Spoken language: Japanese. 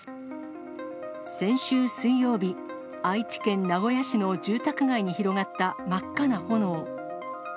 先週水曜日、愛知県名古屋市の住宅街に広がった真っ赤な炎。